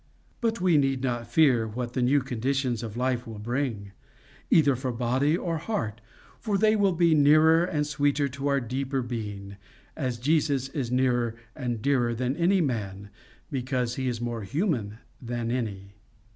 But we need not fear what the new conditions of life will bring, either for body or heart, for they will be nearer and sweeter to our deeper being, as Jesus is nearer and dearer than any man because he is more human than any.